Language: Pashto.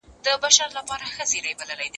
زه پرون د ښوونځي کتابونه مطالعه کوم..